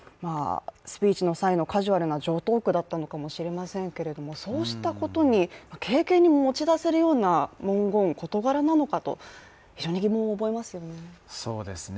スピーチの際のカジュアルな常套句だったのかもしれませんけれどもそうしたことに軽々に持ち出せるほどの事柄なのかと非常に疑問に思いますね。